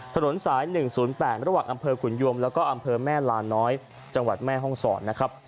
ถนนสาย๑๐๘ระหว่างอำเภอขุนยวมแล้วก็อำเภอแม่ลาน้อยจังหวัดแม่ห้องศรนะครับ